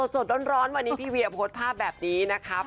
สดร้อนวันนี้พี่เวียพดภาพแบบนี้นะคะ